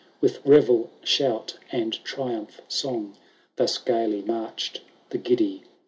With revel shout, and triumph song. Thus gaily marched the giddy throng.